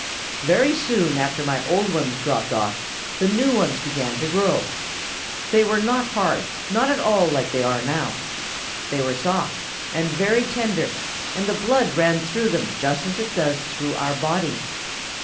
"Very soon after my old ones dropped off the new ones began to grow. They were not hard, not at all like they are now. They were soft and very tender, and the blood ran through them just as it does through our bodies.